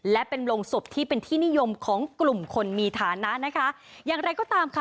และเป็นโรงศพที่เป็นที่นิยมของกลุ่มคนมีฐานะนะคะอย่างไรก็ตามค่ะ